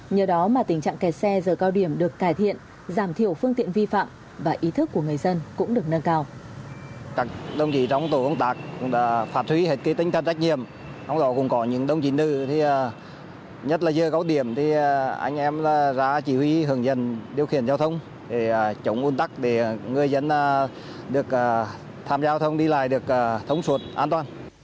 nhờ đó mà tình trạng kẹt xe giờ cao điểm được cải thiện giảm thiểu phương tiện vi phạm và ý thức của người dân cũng được nâng cao